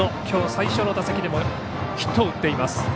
今日、最初の打席でもヒットを打っています。